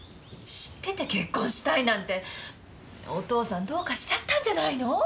知ってて結婚したいなんてお父さんどうかしちゃったんじゃないの？